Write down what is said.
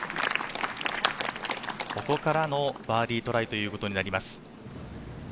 ここからのバーディートライとなります。